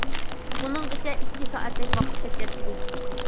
بۇنىڭغىچە ئىككى سائەتتەك ۋاقىت كەتكەن ئىدى.